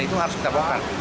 itu harus kita bahkan